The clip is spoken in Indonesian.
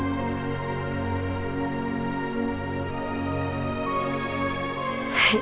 ma jangan sakit